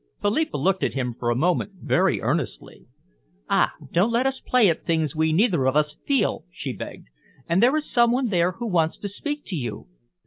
Philippa looked at him for a moment very earnestly. "Ah, don't let us play at things we neither of us feel!" she begged. "And there is some one there who wants to speak to you."